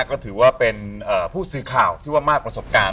ก็ถือว่าเป็นผู้สื่อข่าวที่ว่ามากประสบการณ์